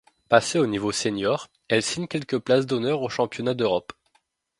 Passée au niveau senior, elle signe quelques places d'honneur aux championnats d'Europe.